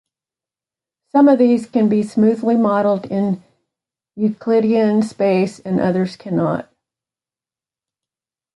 Some of these can be smoothly modeled in Euclidean space, and others cannot.